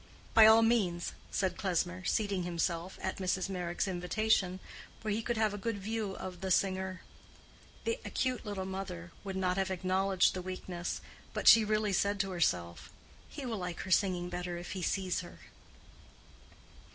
"By all means," said Klesmer, seating himself, at Mrs. Meyrick's invitation, where he could have a good view of the singer. The acute little mother would not have acknowledged the weakness, but she really said to herself, "He will like her singing better if he sees her."